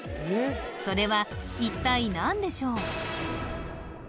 それは一体何でしょう？